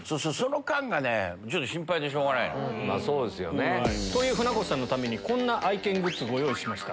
そうですよね。という船越さんのためにこんな愛犬グッズご用意しました。